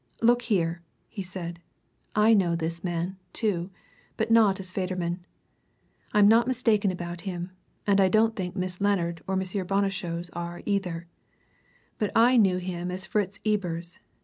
"Look here!" he said. "I know this man, too but not as Federman. I'm not mistaken about him, and I don't think Miss Lennard or M. Bonnechose are, either. But I knew him as Fritz Ebers.